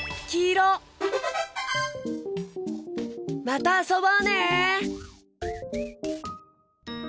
またあそぼうね！